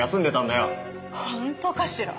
本当かしら？